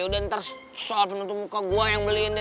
udah ntar soal penutup muka gue yang beliin deh